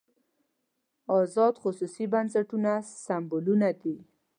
ازاد خصوصي بنسټونه سېمبولونه دي.